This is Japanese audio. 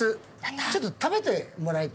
ちょっと食べてもらいたい。